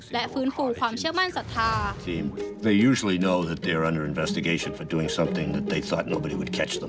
และฟื้นฟูความเชื่อมั่นศรัทธา